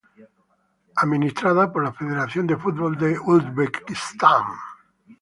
Es administrada por la Federación de Fútbol de Uzbekistán.